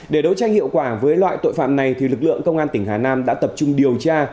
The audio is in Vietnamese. để đấu tranh hiệu quả với loại tội phạm này lực lượng công an tỉnh hà nam đã tập trung điều tra